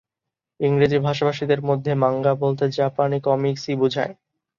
ইংরেজি ভাষাভাষীদের মধ্যে "মাঙ্গা" বলতে "জাপানি কমিক্স"-ই বুঝায়।